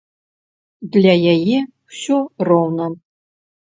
Для яе ўсё роўна!